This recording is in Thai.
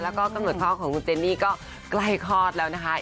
แล้วก็ตำรวจพ่อของคุณเจนนี่ก็ใกล้คลอดแล้วนะคะ